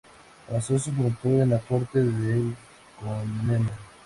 Pasó su juventud en la corte del Comneno.